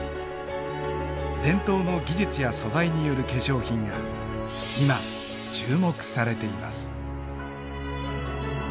伝統の技術や素材による化粧品が今注目されています。